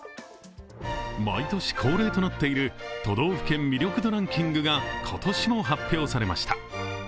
毎年恒例となっている都道府県魅力度ランキングが今年も発表されました。